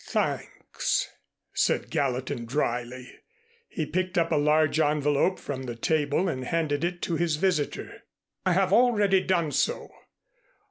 "Thanks," said Gallatin dryly. He picked a large envelope up from the table and handed it to his visitor. "I have already done so.